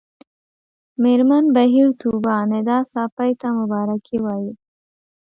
مېرمن بهیر طوبا ندا ساپۍ ته مبارکي وايي